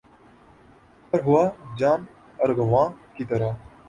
پر ہوا جام ارغواں کی طرح